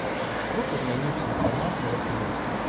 Крута змяніўся і фармат мерапрыемства.